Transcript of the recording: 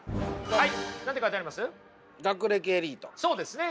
はい。